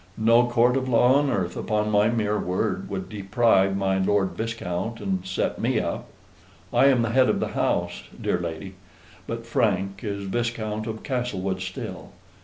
No court of law on earth, upon my mere word, would deprive my Lord Viscount and set me up. I am the head of the house, dear lady; but Frank is Viscount of Castlewood still.